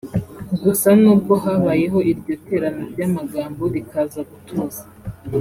Gusa n’ubwo habayeho iryo terana ry’amagambo rikaza gutuza